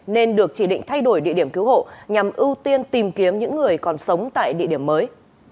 nên được chỉ định thay đổi địa điểm cứu hộ nhằm ưu tiên tìm kiếm những người còn sống tại địa điểm mới